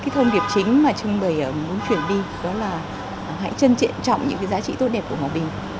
thông điệp chính mà trưng bày muốn chuyển đi đó là hãy trân trọng những giá trị tốt đẹp của hòa bình